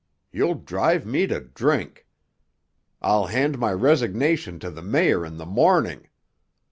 You'll drive me to drink! I'll hand my resignation to the mayor in the morning!